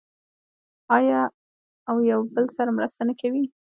آیا او یو بل سره مرسته نه کوي؟